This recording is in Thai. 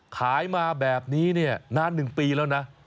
ขายมาแบบนี้นาน๑ปีแล้วนะ